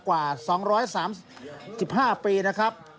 กันมากว่า๒๓๕ปีนะครับ